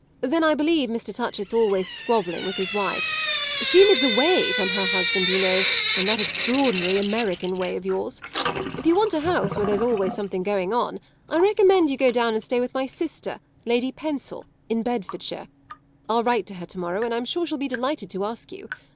Then I believe Mr. Touchett's always squabbling with his wife; she lives away from her husband, you know, in that extraordinary American way of yours. If you want a house where there's always something going on, I recommend you to go down and stay with my sister, Lady Pensil, in Bedfordshire. I'll write to her to morrow and I'm sure she'll be delighted to ask you.